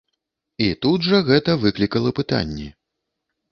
І тут жа гэта выклікала пытанні.